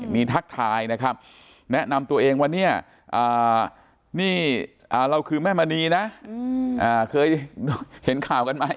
มีทักทายนะครับแนะนำตัวเองว่าเนี่ยนี่เราคือแม่มณีนะเคยเห็นข่าวกันไหม